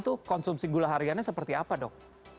itu konsumsi gula hariannya seperti apa dok